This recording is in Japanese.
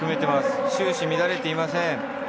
終始、乱れていません。